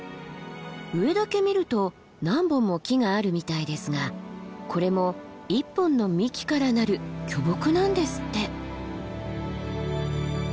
上だけ見ると何本も木があるみたいですがこれも１本の幹からなる巨木なんですって。